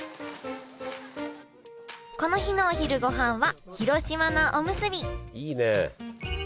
この日のお昼ごはんは広島菜おむすびいいね！